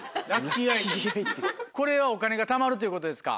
これはお金がたまるということですか。